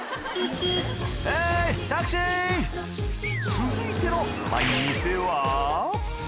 続いてのうまい店は？